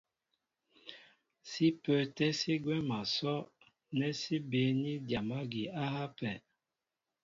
Sí pə́ə́tɛ́ sí gwɛ̌m a sɔ́' nɛ́ sí bííní dyam ági á hápɛ.